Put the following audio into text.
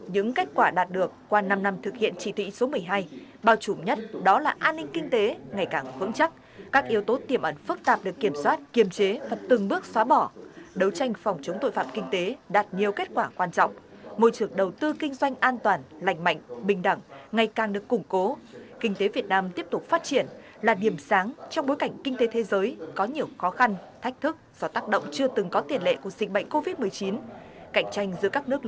những kết quả đạt được qua năm năm thực hiện chỉ thị số một mươi hai bảo chủ nhất đó là an ninh kinh tế ngày càng vững chắc các yếu tố tiềm ẩn phức tạp được kiểm soát kiềm chế và từng bước xóa bỏ đấu tranh phòng chống tội phạm kinh tế đạt nhiều kết quả quan trọng môi trường đầu tư kinh doanh an toàn lành mạnh bình đẳng ngày càng được củng cố kinh tế việt nam tiếp tục phát triển là điểm sáng trong bối cảnh kinh tế thế giới có nhiều khó khăn thách thức do tác động chưa từng có tiền lệ của dịch bệnh covid một mươi chín